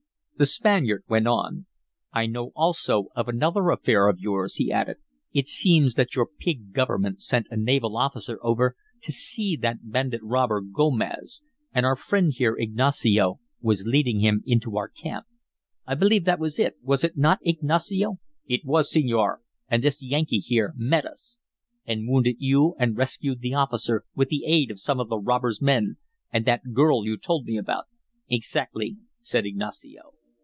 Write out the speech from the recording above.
The Spaniard went on: "I know also of another affair of yours," he added. "It seems that your pig government sent a naval officer over to see that bandit robber Gomez. And our friend here, Ignacio, was leading him into our camp. I believe that was it, was it not, Ignacio?" "It was, senor, and this Yankee here met us " "And wounded you and rescued the officer, with the aid of some of the robber's men, and that girl you told me about." "Exactly," said Ignacio.